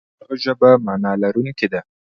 د هغه ژبه معنا لرونکې ده.